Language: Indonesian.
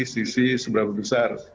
sisi seberapa besar